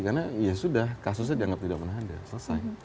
karena ya sudah kasusnya dianggap tidak pernah ada selesai